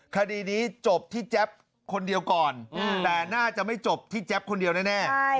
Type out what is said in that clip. คดีนี้จบที่แจ๊บคนเดียวก่อนแต่น่าจะไม่จบที่แจ๊บคนเดียวแน่